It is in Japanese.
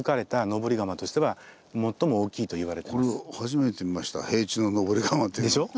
初めて見ました平地の登り窯というのは。でしょ？